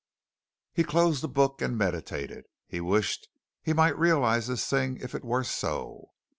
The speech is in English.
'" He closed the book and meditated. He wished he might realize this thing if this were so.